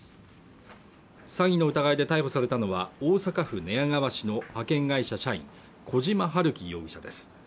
詐欺の疑いで逮捕されたのは大阪府寝屋川市の派遣会社社員児島治樹容疑者です